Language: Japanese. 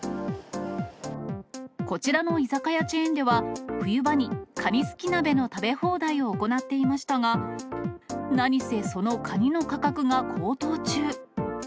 こちらの居酒屋チェーンでは、冬場にカニすき鍋の食べ放題を行っていましたが、なにせそのカニの価格が高騰中。